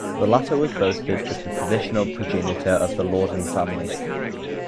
The latter was boasted as the traditional progenitor of the Loredan family.